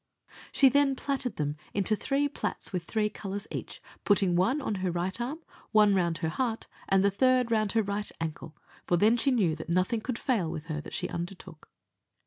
She then platted them into three plats with three colours in each, putting one on her right arm, one round her heart, and the third round her right ankle, for then she knew that nothing could fail with her that she undertook.